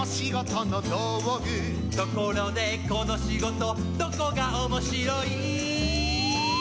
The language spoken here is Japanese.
「ところでこのしごとどこがおもしろい？」